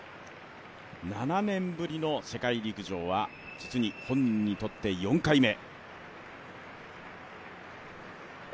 ７年ぶりの世界陸上は実に本人にとって４回目。